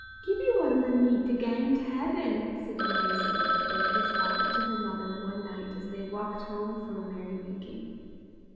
"Gibbie wadna need to gang to haiven," said Mysie, the baker's daughter, to her mother one night, as they walked home from a merry making.